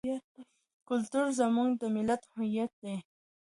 کلتور زموږ د ملت هویت دی.